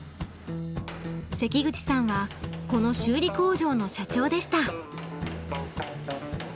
関口さんはこの修理工場の社長でした。